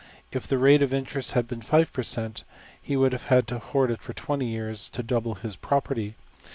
If the rate of interest had been $5$~per cent., he would have had to hoard for $20$~years to double his property.